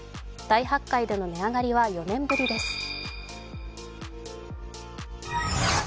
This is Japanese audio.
大発会での値上がりは４年ぶりです